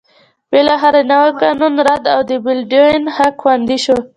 بالاخره نوی قانون رد او د بالډوین حق خوندي شو.